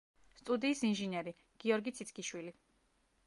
სტუდიის ინჟინერი: გიორგი ციცქიშვილი.